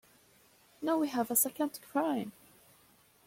Now we have a second crime.